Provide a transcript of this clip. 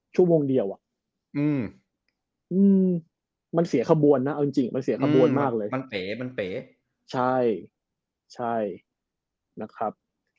ชั่วโมงเดียวอ่ะมันเสียขบวนนะเอาจริงมันเสียขบวนมากเลยมันเป๋มันเป๋ใช่ใช่นะครับ